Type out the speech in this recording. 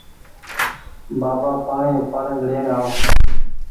بآبآ پآڻيٚ اُپآڙين لين آئو